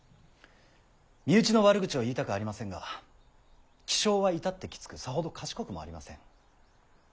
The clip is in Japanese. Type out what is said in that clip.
身内の悪口は言いたくありませんが気性は至ってきつくさほど賢くもありません。